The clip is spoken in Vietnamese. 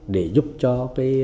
để giúp cho người sản xuất